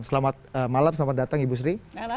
selamat malam selamat datang ibu sri